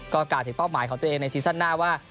ก็กล่าวถึงเป้าหมายของตัวเองในซีซั่นหน้าว่า